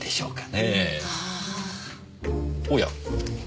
おや？